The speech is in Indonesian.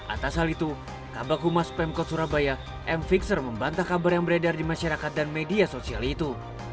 atas hal itu kabak humas pemkot surabaya m fixer membantah kabar yang beredar di masyarakat dan media sosial itu